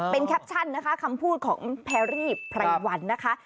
เป็นแคปชั่นนะคะคำพูดของแพรรี่ไพรวันนะคะ